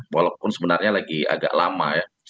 walaupun sebenarnya lagi agak lama ya